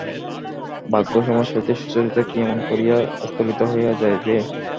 ব্রাহ্মসমাজ হইতে সুচরিতা কি এমন করিয়া স্থলিত হইয়া যাইবে?